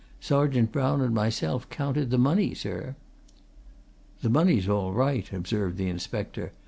Sergeant Brown and myself counted the money, sir." "The money is all right," observed the inspector.